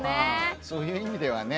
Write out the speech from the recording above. そういう意味ではね